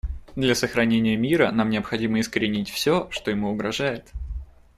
Для сохранения мира нам необходимо искоренить все, что ему угрожает.